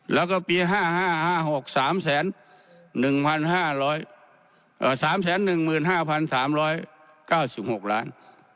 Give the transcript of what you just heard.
แล้วก็ปี๕๕๕ต่อปี๓๑๕๓๙๖ล้านบาท